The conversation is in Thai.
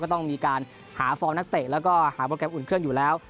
ต้องมีการหาฟอร์มนักเตะแล้วก็หาโปรแกรมอุ่นเครื่องอยู่แล้ว